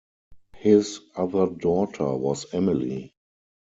His other daughter was Emily.